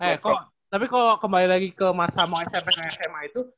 hei kok tapi kalo kembali lagi ke masa mau smp sama sma itu